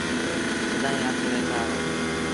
سدائيٚݩ هت ويٚٺآ رهون ۔